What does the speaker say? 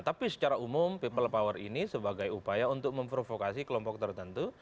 tapi secara umum people power ini sebagai upaya untuk memprovokasi kelompok tertentu